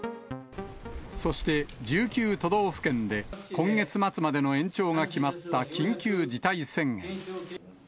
そして１９都道府県で、今月末までの延長が決まった緊急事態宣言。